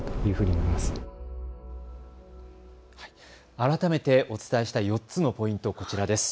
改めてお伝えした４つのポイント、こちらです。